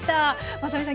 まさみさん